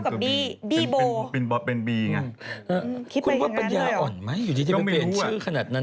คิดไปอย่างนั้นเลยหรอคิดไปอย่างนั้นเลยหรอคุณว่าปัญญาอ่อนไหมอยู่ที่จะเป็นเป็นชื่อขนาดนั้น